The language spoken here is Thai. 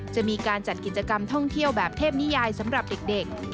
จะมีการจัดกิจกรรมท่องเที่ยวแบบเทพนิยายสำหรับเด็ก